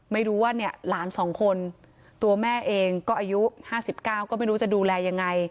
ไม่รู้ว่าเนี่ยหลาน๒คนตัวแม่เองก็อายุ๕๙ก็ไม่รู้จะดูแลยังไง